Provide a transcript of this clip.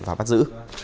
và bắt giữ